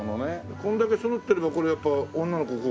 これだけそろってればこれやっぱ女の子ここ来るでしょ？